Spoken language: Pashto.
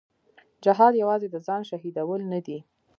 جهاد یوازې د ځان شهیدول نه دي.